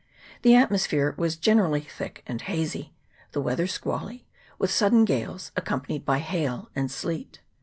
The at mosphere was generally thick and hazy, the wea ther squally, with sudden gales, accompanied by hail and sleet.